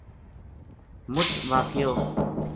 مُچ واقعو